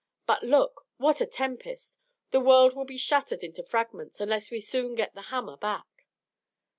But look! What a tempest! The world will be shattered into fragments unless we soon get the hammer back."